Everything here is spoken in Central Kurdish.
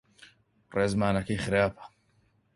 ڕێزمانەکەی خراپە.